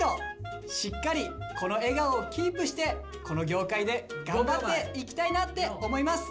しっかりこの笑顔をキープしてこの業界で頑張っていきたいなって思います。